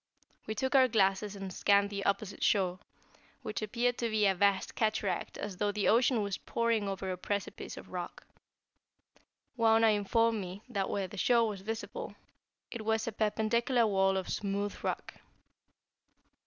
We took our glasses and scanned the opposite shore, which appeared to be a vast cataract as though the ocean was pouring over a precipice of rock. Wauna informed me that where the shore was visible it was a perpendicular wall of smooth rock.